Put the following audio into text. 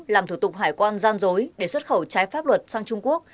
làm thủ tục hải quan gian dối để xuất khẩu trái pháp luật sang trung quốc